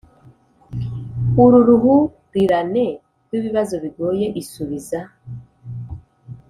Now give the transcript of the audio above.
uru ruhurirane rw’ibibazo bigoye isubiza,